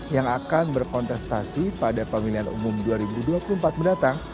yang akan berkontestasi pada pemilihan umum dua ribu dua puluh empat mendatang